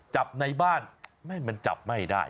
จับในบ้านมันจับไม่ได้